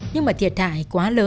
nhưng mà thiệt hại quá lớn